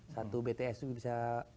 satu bts itu bisa